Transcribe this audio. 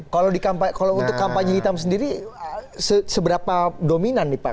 kalau untuk kampanye hitam sendiri seberapa dominan nih pak